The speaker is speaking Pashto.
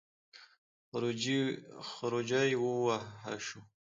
خروجی ووهه شو.